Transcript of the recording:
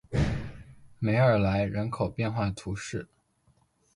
梅尔莱人口变化图示